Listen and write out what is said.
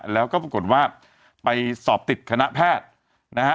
แล้วก็ปรากฏว่าไปสอบติดคณะแพทย์นะฮะ